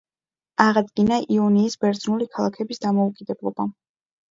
აღადგინა იონიის ბერძნული ქალაქების დამოუკიდებლობა.